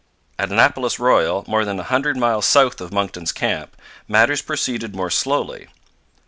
At Annapolis Royal, more than a hundred miles south of Monckton's camp, matters proceeded more slowly.